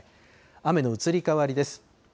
雨の移り変わりです。